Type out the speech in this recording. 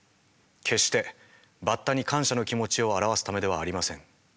決してバッタに感謝の気持ちを表すためではありません。